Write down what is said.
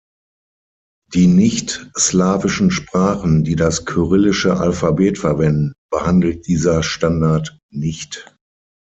Die nicht-slawischen Sprachen, die das kyrillische Alphabet verwenden, behandelt dieser Standard nicht.